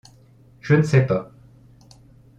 Je ne sais pas !…